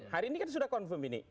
hari ini kan sudah confirm ini